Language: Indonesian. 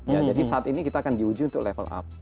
ya jadi saat ini kita akan diuji untuk level up